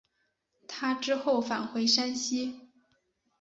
他之后返回山西。